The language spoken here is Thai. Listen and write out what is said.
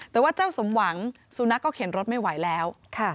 แต่ว่าเจ้าสมหวังสุนัขก็เข็นรถไม่ไหวแล้ว